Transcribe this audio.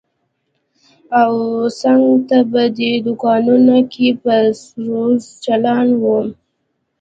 او څنگ ته په دوکانونو کښې به سروذ چالان و.